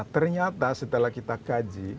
ternyata setelah kita kaji